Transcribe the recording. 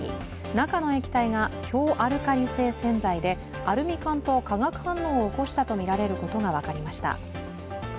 中の液体が強アルカリ性洗剤でアルミ缶と化学反応を起こしたことが分かりました。